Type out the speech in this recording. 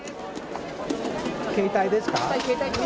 携帯ですか？